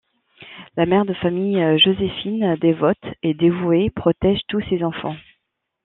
La mère de famille, Joséphine, dévote et dévouée, protège tous ses enfants.